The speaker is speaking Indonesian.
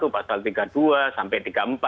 pasal tiga puluh dua sampai tiga puluh empat